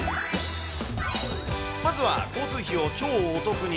まずは交通費を超お得に。